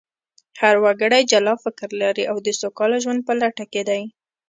هر وګړی جلا فکر لري او د سوکاله ژوند په لټه کې دی